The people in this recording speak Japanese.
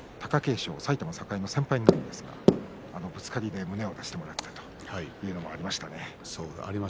勝埼玉栄の先輩になるんですがぶつかりで胸を出してもらったというのもありましたね。